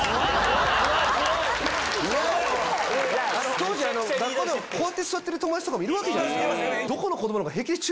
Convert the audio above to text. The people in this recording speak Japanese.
当時学校でこうやって座ってる友達いるわけじゃないですか。